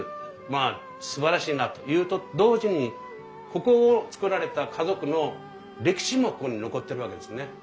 まあすばらしいなというと同時にここを造られた家族の歴史もここに残ってるわけですね。